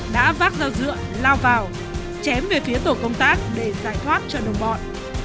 đã vác dao dựa lao vào chém về phía tổ công tác để giải thoát cho đồng bọn